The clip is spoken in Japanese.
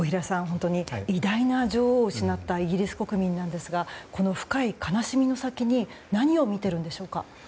本当に偉大な女王を失ったイギリス国民なんですがこの深い悲しみの先に何を見てるんでしょうか。